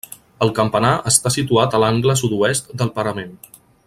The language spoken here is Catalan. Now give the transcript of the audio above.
El campanar està situat a l'angle sud-oest del parament.